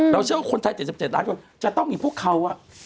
เชื่อว่าคนไทย๗๗ล้านคนจะต้องมีพวกเขา